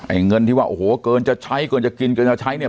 เงินที่ว่าโอ้โหเกินจะใช้เกินจะกินเกินจะใช้เนี่ย